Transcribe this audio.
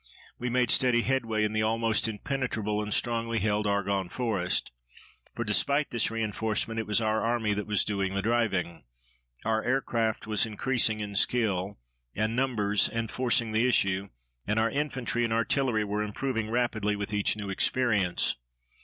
We made steady headway in the almost impenetrable and strongly held Argonne Forest, for, despite this reinforcement, it was our army that was doing the driving. Our aircraft was increasing in skill and numbers and forcing the issue, and our infantry and artillery were improving rapidly with each new experience.